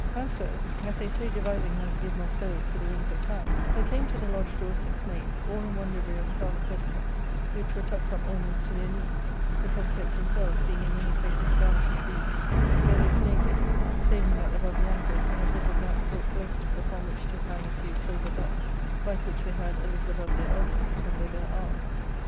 And so, as they sate devising how to give more feathers to the wings of Time,* there came to the lodge door six maids, all in one livery of scarlet petticoats, which were tucked up almost to their knees, the petticoats themselves being in many places garnished with leaves, their legs naked, saving that above the ankles they had little black silk laces, upon which did hang a few silver bells, like which they had a little above their elbows upon their bare arms.